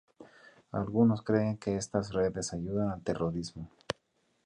Algunos creen que estas redes ayudan al terrorismo.